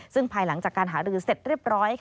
ซึ่งภายหลังจากการหารือเสร็จเรียบร้อย